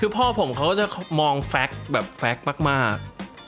พ่อผมก็จะมองแฟคแบบแฟคมาก